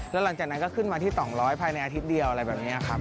แล้วหลังจากนั้นก็ขึ้นมาที่๒๐๐ภายในอาทิตย์เดียวอะไรแบบนี้ครับ